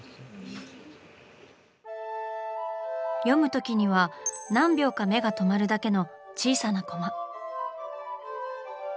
読むときには何秒か目が留まるだけの小さなコマ。